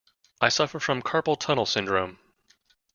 I suffer from carpal tunnel syndrome.